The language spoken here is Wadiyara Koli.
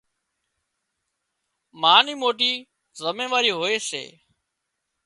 ما ني موٽي زميواري هوئي سي